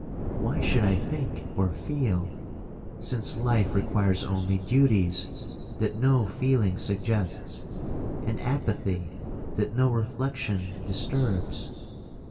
Why should I think or feel, since life requires only duties that no feeling suggests, and apathy that no reflection disturbs?